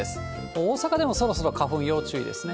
大阪でもそろそろ花粉要注意ですね。